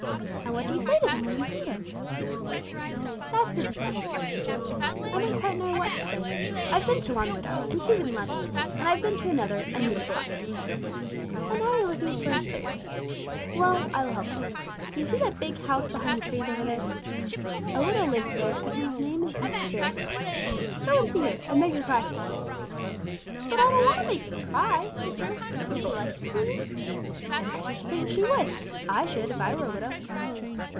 "And what do you say to them when you see them?" "That's the difficult part," said Jill. "I don't quite know what to say. I've been to one widow, and she wouldn't let me in, and I've been to another, and made her cry." "And now you're looking for a third. Well, I will help you. Do you see that big house behind the trees over there? A widow lives there, and her name is Mrs. Beresford. Go and see her, and make her cry if you can." "But I don't want to make them cry,' said Jill. 'Will she like to see me?" "I should think she would. I should, if I were a widow."